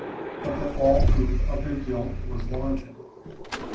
but that all proof of their guilt was wanting.